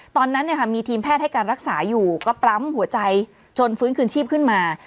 ตอนนั้นมีทีมแพทย์ให้การรักษาอยู่ก็ปั๊มหัวใจจนฟื้นคืนชีพขึ้นมา